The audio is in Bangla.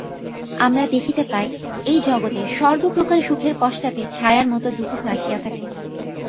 আমরা দেখিতে পাই, এই জগতে সর্বপ্রকার সুখের পশ্চাতে ছায়ার মত দুঃখ আসিয়া থাকে।